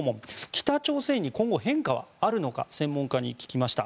北朝鮮に今後、変化はあるのか専門家に聞きました。